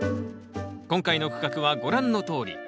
今回の区画はご覧のとおり。